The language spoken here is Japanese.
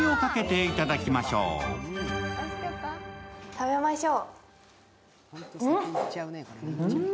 食べましょう。